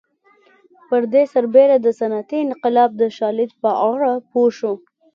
پر دې سربېره د صنعتي انقلاب د شالید په اړه پوه شو